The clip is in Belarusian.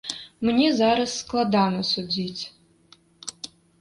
Мне зараз складана судзіць.